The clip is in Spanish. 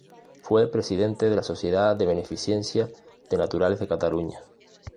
Fue presidente de la Sociedad de Beneficencia de Naturales de Cataluña.